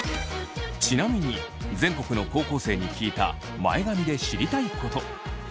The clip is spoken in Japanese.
ちなみに全国の高校生に聞いた前髪で知りたいこと。